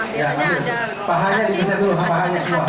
biasanya ada kacing hati hati